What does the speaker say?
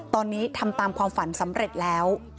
ตอนนี้ทำตามความฝันสำเร็จแล้ว